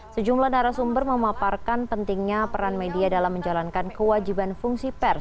sejumlah narasumber memaparkan pentingnya peran media dalam menjalankan kewajiban fungsi pers